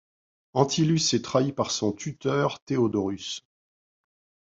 Antyllus est trahi par son tuteur, Theodorus.